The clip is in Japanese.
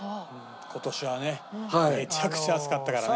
今年はねめちゃくちゃ暑かったからね。